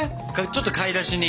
ちょっと買い出しに。